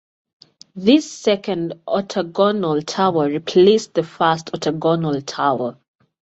This second octagonal tower replaced the first octagonal tower.